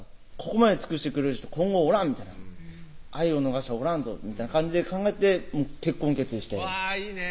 ここまで尽くしてくれる人今後おらんみたいな愛を逃したらおらんぞみたいな感じで考えて結婚決意してわぁいいね